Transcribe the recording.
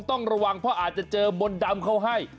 ต้องระวังเพราะอาจจะเจอมนต์ดำเขาให้